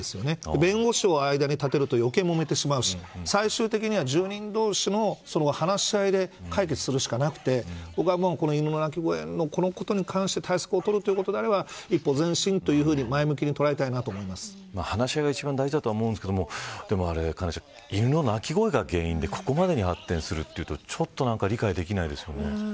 弁護士を間に立てると余計もめてしまうし最終的には住人同士の話し合いで解決するしかなくて僕は犬の鳴き声のこのことに関して対策を取ることであれば一歩前進と前向きに話し合いが一番大事だと思うんですけどでも佳菜ちゃん、犬の鳴き声が原因でここまで発展するというとちょっと理解できないですよね。